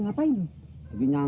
gak bakal jadi satu